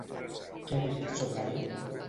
Què ha dit sobre ell?